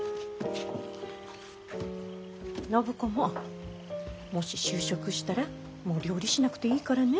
暢子ももし就職したらもう料理しなくていいからね。